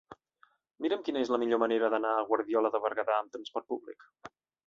Mira'm quina és la millor manera d'anar a Guardiola de Berguedà amb trasport públic.